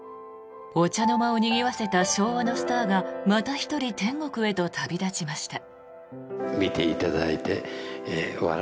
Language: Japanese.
お茶の間をにぎわせた昭和のスターがまた１人天国へと旅立ちました。